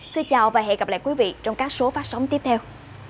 xin chào và hẹn gặp lại quý vị trong các số phát sóng tiếp theo